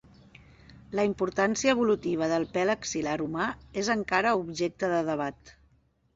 La importància evolutiva del pèl axil·lar humà és encara objecte de debat.